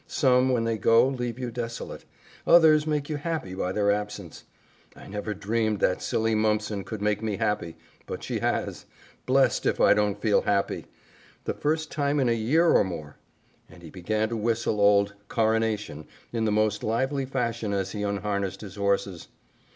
Some, when they go, leave you desolate; others make you happy by their absence. I never dreamed that silly Mumpson could make me happy, but she has. Blessed if I don't feel happy! The first time in a year or more!" And he began to whistle old "Coronation" in the most lively fashion as he unharnessed his horses.